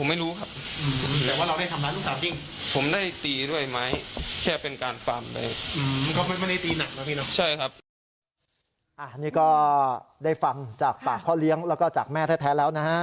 อันนี้ก็ได้ฟังจากปากพ่อเลี้ยงแล้วก็จากแม่แท้แล้วนะฮะ